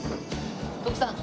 徳さん